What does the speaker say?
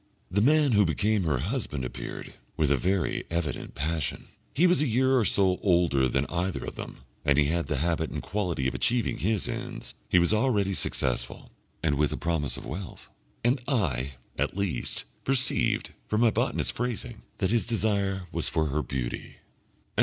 The man who became her husband appeared, with a very evident passion. He was a year or so older than either of them, and he had the habit and quality of achieving his ends; he was already successful, and with the promise of wealth, and I, at least, perceived, from my botanist's phrasing, that his desire was for her beauty.